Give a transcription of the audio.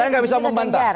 saya enggak bisa membantah